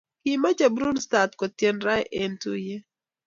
Kimache Brun start kotien raa en tuyet